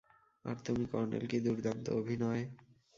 আর তুমি, কর্নেল, কী দুর্দান্ত অভিনয়।